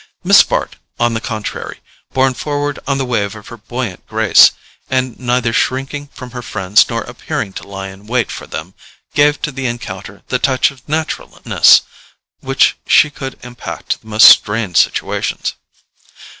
Miss Bart, on the contrary, borne forward on the wave of her buoyant grace, and neither shrinking from her friends nor appearing to lie in wait for them, gave to the encounter the touch of naturalness which she could impart to the most strained situations.